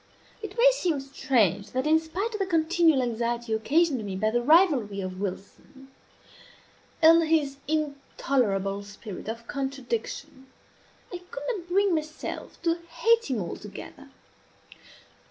It may seem strange that in spite of the continual anxiety occasioned me by the rivalry of Wilson, and his intolerable spirit of contradiction, I could not bring myself to hate him altogether.